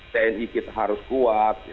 tni kita harus kuat